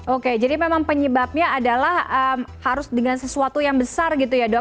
oke jadi memang penyebabnya adalah harus dengan sesuatu yang besar gitu ya dok